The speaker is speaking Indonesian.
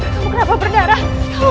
kamu kenapa berdarah kamu orang